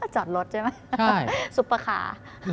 จอดรถใช่มั้ยซุปเปอร์คา